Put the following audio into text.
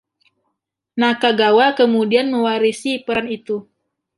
Nakagawa kemudian mewarisi peran itu.